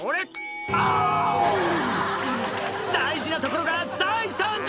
大事なところが大惨事！